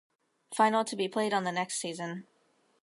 Final to be played on the next season.